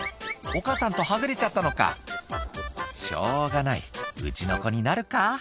「お母さんとはぐれちゃったのか？」「しょうがないうちの子になるか？」